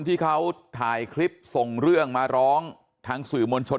ที่เขาถ่ายคลิปส่งเรื่องมาร้องทางสื่อมวลชน